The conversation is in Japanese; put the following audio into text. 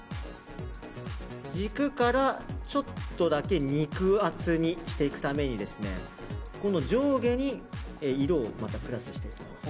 軸からちょっとだけ肉厚にしていくために今度、上下に色をまたプラスしていきます。